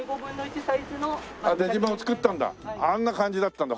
あんな感じだったんだ。